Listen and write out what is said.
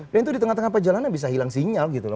dan itu di tengah tengah perjalanan bisa hilang sinyal gitu loh